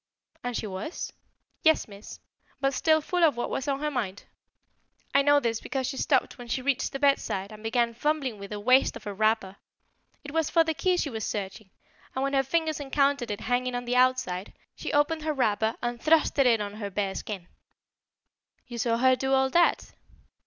"And she was?" "Yes, Miss; but still full of what was on her mind. I know this because she stopped when she reached the bedside and began fumbling with the waist of her wrapper. It was for the key she was searching, and when her fingers encountered it hanging on the outside, she opened her wrapper and thrust it in on her bare skin." "You saw her do all that?"